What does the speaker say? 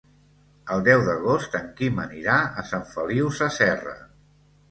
El deu d'agost en Quim anirà a Sant Feliu Sasserra.